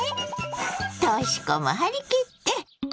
とし子も張り切って。